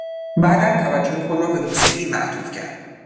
بعدا توجه خود را به موسیقی معطوف کرد.